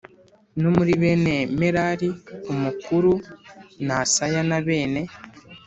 No muri bene Merari umukuru ni Asaya na bene